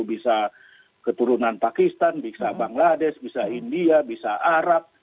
bisa keturunan pakistan bisa bangladesh bisa india bisa arab